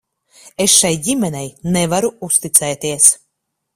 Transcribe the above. Es šai ģimenei nevaru uzticēties.